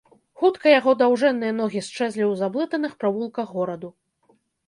Хутка яго даўжэнныя ногі счэзлі ў заблытаных правулках гораду.